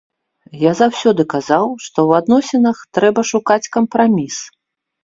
Я заўсёды казаў, што ў адносінах трэба шукаць кампраміс.